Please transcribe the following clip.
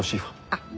あっ。